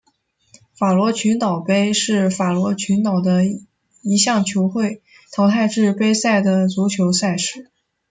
法罗群岛杯是法罗群岛的一项球会淘汰制杯赛的足球赛事。